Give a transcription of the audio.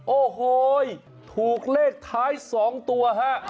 โอ้โหถูกเลขท้าย๒ตัวฮะ